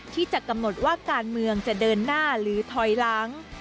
ที่จะกำหนดว่าการเมืองจะเดินหน้าหรือถอยหลัง